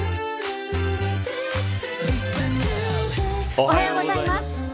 おはようございます。